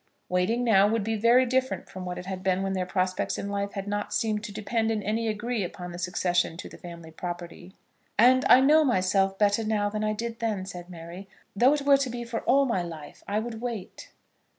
Waiting now would be very different from what it had been when their prospects in life had not seemed to depend in any degree upon the succession to the family property. "And I know myself better now than I did then," said Mary. "Though it were to be for all my life, I would wait."